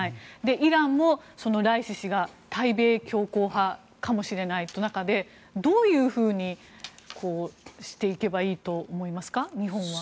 イランもライシ師が対米強硬派かもしれないという中でどういうふうにしていけばいいと思いますか？